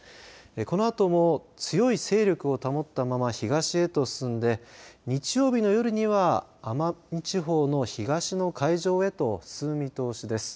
このあとも強い勢力を保ったまま東へと進んで、日曜日の夜には奄美地方の東の海上へと進む見通しです。